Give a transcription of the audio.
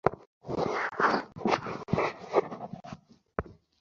সংসারে প্রেমিক যেমন তাঁহার প্রেমাস্পদকে ভালবাসিয়া থাকে, তেমনি আমাদের ভগবানকে ভালবাসিতে হইবে।